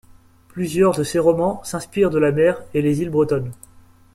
Plusieurs de ses romans s'inspirent de la mer et les îles bretonnes.